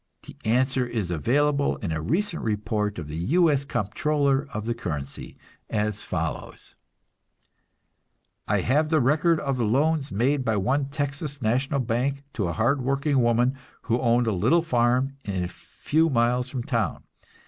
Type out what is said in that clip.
The answer is available in a recent report of the U. S. Comptroller of the Currency, as follows: "I have the record of the loans made by one Texas national bank to a hard working woman who owned a little farm a few miles from town.